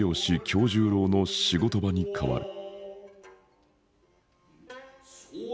今日十郎の仕事場に変わる。